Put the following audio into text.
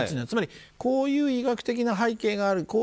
つまりこういう医学的な背景がある